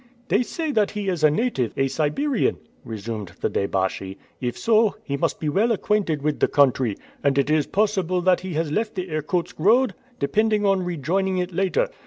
"They say that he is a native, a Siberian," resumed the deh baschi. "If so, he must be well acquainted with the country, and it is possible that he has left the Irkutsk road, depending on rejoining it later."